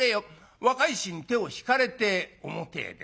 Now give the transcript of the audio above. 若い衆に手を引かれて表へ出ます。